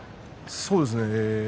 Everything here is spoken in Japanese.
そうですね。